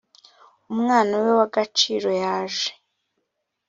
umwana we w agaciro yaje